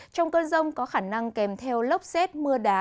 trong cơn rông có khả năng kèm theo lốc xét mưa đá